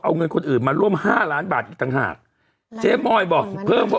เอาเงินคนอื่นมาร่วมห้าล้านบาทอีกต่างหากเจ๊มอยบอกเพิ่มว่า